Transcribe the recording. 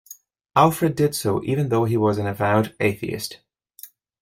Alfred did so even though he was an avowed atheist.